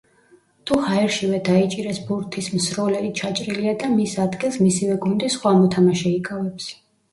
თუ ჰაერშივე დაიჭირეს ბურთის მსროლელი „ჩაჭრილია“ და მის ადგილს მისივე გუნდის სხვა მოთამაშე იკავებს.